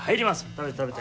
食べて食べて。